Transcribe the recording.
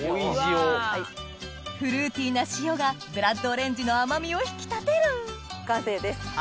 フルーティーな塩がブラッドオレンジの甘味を引き立てる完成です。